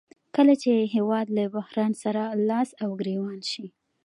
کله چې هېواد له بحران سره لاس او ګریوان شي